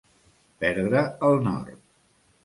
Perdre el nord.